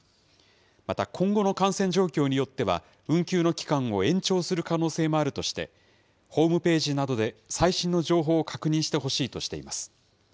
また、今後の感染状況によっては、運休の期間を延長する可能性もあるとして、ホームページなどで最新の情報を確認してほしいとしています。